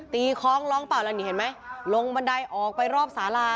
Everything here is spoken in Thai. คล้องร้องเปล่าแล้วนี่เห็นไหมลงบันไดออกไปรอบสารา